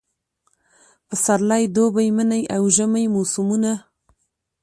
پسرلی، دوبی، منی اوژمی موسمونه